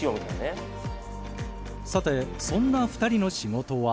さてそんな２人の仕事は。